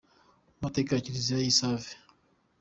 Amateka ya Kiliziya y’i Save